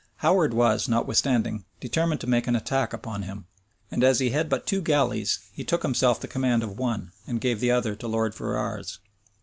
Howard was, notwithstanding, determined to make an attack upon him; and as he had but two galleys, he took himself the command of one, and gave the other to Lord Ferrars.